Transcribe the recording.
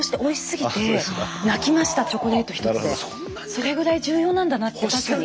それぐらい重要なんだなって確かに。